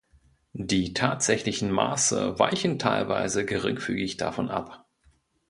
Die tatsächlichen Maße weichen teilweise geringfügig davon ab.